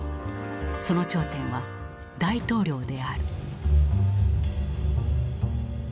その頂点は大統領である。